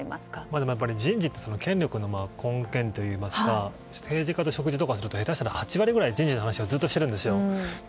人事って権力の根源というか政治家と食事すると下手すると８割ぐらい人事の話をずっとしているんですよ。